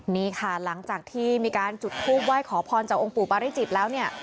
นี่ค่ะหลังจากที่มีการจุดทูปไหว้ขอพรจากองค์ปู่ปาริจิตแล้วเนี่ย